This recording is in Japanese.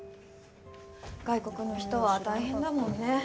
外国の人は大変だもんね。